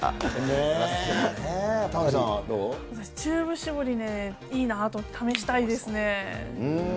私、チューブ絞りね、いいなと、試したいですね。